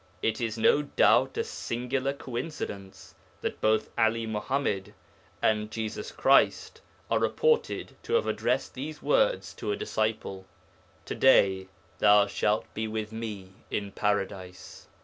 It is no doubt a singular coincidence that both 'Ali Muḥammad and Jesus Christ are reported to have addressed these words to a disciple: 'To day thou shalt be with me in Paradise.'